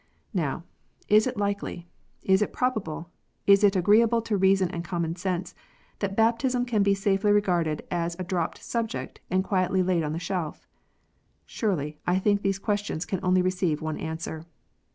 Now, is it likely, is it probable, is it agreeable to reason and common sense, that baptism can be safely regarded as a dropped subject, and quietly laid on the shelf 1 Surely, I think these questions can only receive one answer.